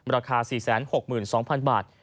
ราคา๔๖๒๐๐๐บาท